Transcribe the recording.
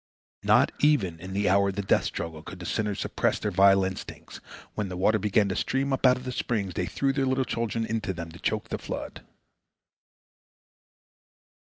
Not even in the hour of the death struggle could the sinners suppress their vile instincts. When the water began to stream up out of the springs, they threw their little children into them, to choke the flood.